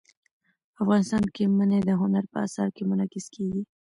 افغانستان کې منی د هنر په اثار کې منعکس کېږي.